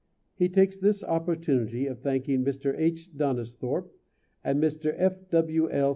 He takes this opportunity of thanking Mr. H. Donisthorpe and Mr. F. W. L.